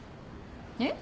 えっ？